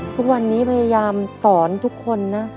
ทุกวันนี้พยายามสอนทุกคนนะ